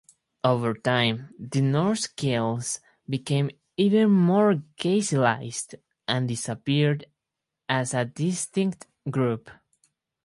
Over time, the Norse-Gaels became ever more Gaelicized and disappeared as a distinct group.